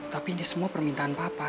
tapi ini semua permintaan papa